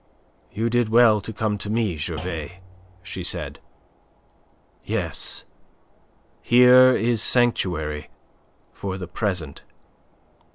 "You did well to come to me, Gervais," she said. "Yes, here is sanctuary for the present.